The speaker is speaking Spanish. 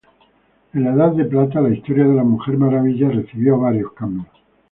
En la Edad de Plata, la historia de la Mujer Maravilla recibió varios cambios.